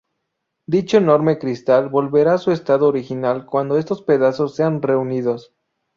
Dicho enorme cristal volverá a su estado original cuando estos pedazos sean reunidos.